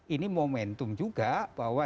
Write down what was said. ini momentum juga bahwa